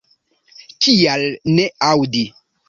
Kial ne aŭdi?